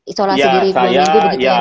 isolasi diri dua minggu begitu ya